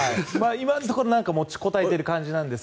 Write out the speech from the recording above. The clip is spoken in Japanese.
今のところ持ちこたえている感じですが。